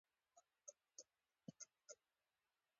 دوه لوړ په غره کې دي، څلور اوس هم په باینسیزا کې دي.